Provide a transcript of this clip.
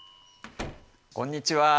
こんにちは。